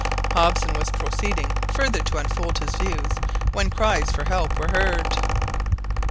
Hobson was proceeding further to unfold his views when cries for help were heard.